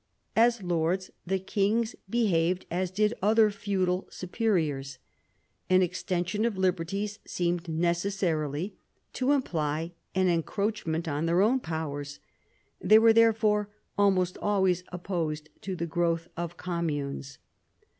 As lords, the kings behaved as did other feudal superiors. An extension of liberties seemed necessarily to imply an encroachment on their own powers. They were therefore almost always opposed to the growth of communes.